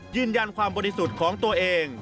ยืนยันความบริสุทธิ์ของตัวเอง